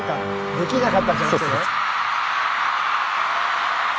できなかったんじゃなくてね。